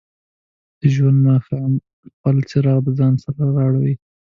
د ژوند ماښام خپل څراغ د ځان سره راوړي.